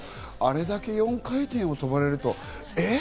あれだけ４回転を跳ばれると、え？